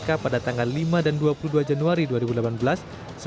y controver mengundang pengaturan